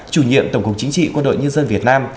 chủ nhiệm tổng cục chính trị quân đội nhân dân việt nam